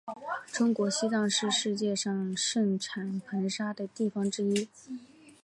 中国西藏是世界上盛产硼砂的地方之一。